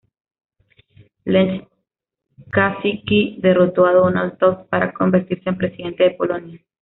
Lech Kaczyński derrotó a Donald Tusk para convertirse en presidente de Polonia.